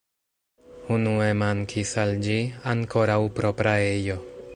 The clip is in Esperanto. Unue mankis al ĝi ankoraŭ propra ejo.